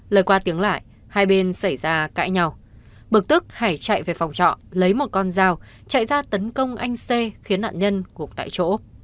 lời qua tiếng lại hai bên xảy ra cãi nhau bực tức hải chạy về phòng trọ lấy một con dao chạy ra tấn công anh c khiến nạn nhân gục tại chỗ